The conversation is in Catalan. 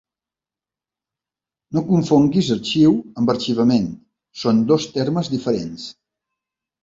No confonguis arxiu amb arxivament, són dos termes diferents.